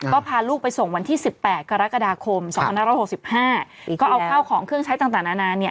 ก็พาลูกไปส่งวันที่สิบแปดกรกฎาคมสองพันหน้าระหกสิบห้าอีกแล้วก็เอาข้าวของเครื่องใช้ต่างต่างนานานเนี้ย